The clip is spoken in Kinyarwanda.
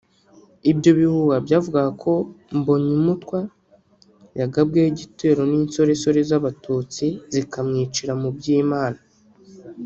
Ibyo bihuha byavugaga ko Mbonyumutwa yagabweho igitero n’insoresore z’Abatutsi zikamwicira mu Byimana